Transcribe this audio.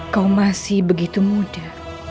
kau masih begitu muda